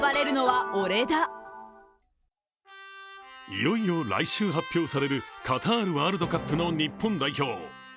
いよいよ来週発表されるカタールワールドカップの日本代表。